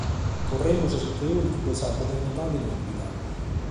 Torremus a su teòricu de sa “modernidade lìcuida”.